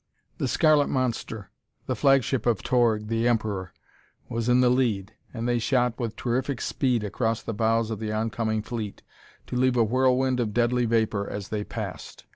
The scarlet monster the flagship of Torg, the Emperor was in the lead, and they shot with terrific speed across the bows of the oncoming fleet to leave a whirlwind of deadly vapor as they passed.